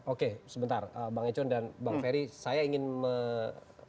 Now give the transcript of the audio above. oke sebentar bang econ dan bang ferry saya ingin mengetahui